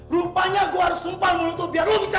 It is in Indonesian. rupanya gue harus sumpah lu untuk biar lu bisa diam